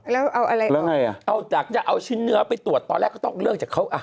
แล้วไงอ่ะเอาจากจะเอาชิ้นเนื้อไปตรวจตอนแรกก็ต้องเลิกจากเขา